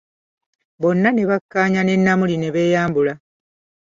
Bonna ne bakkaanya ne Namuli ne beyambula.